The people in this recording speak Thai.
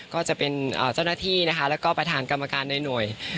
ก็จะเป็นเจ้าหน้าที่นะคะแล้วก็ประธานกรรมการในหน่วย